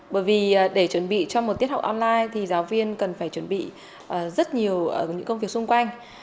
bởi vì để chuẩn bị cho một tiết học online thì giáo viên cần phải chuẩn bị rất nhiều những công việc xung quanh